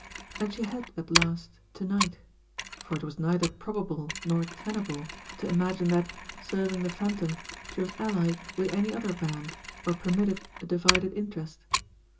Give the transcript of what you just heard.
And she had at last, to night for it was neither probable nor tenable to imagine that, serving the Phantom, she was allied with any other band, or permitted a divided interest.